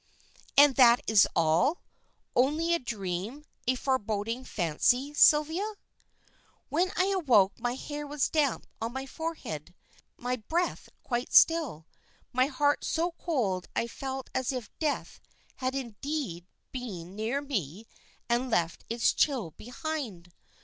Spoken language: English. "And that is all? Only a dream, a foreboding fancy, Sylvia?" "When I woke my hair was damp on my forehead, my breath quite still, my heart so cold I felt as if death had indeed been near me and left its chill behind.